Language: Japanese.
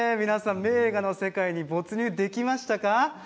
名画の世界に没入できましたか？